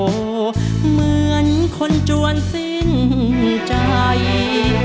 เหมือนคนจวนสิ้นใจ